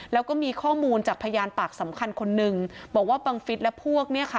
แล้วก็มีข้อมูลจากพยานปากสำคัญคนนึงบอกว่าบังฟิศและพวกเนี่ยค่ะ